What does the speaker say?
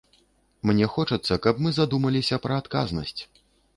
Мне хочацца, каб мы задумаліся пра адказнасць.